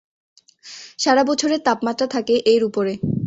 সারা বছরের তাপমাত্রা থাকে এর উপরে।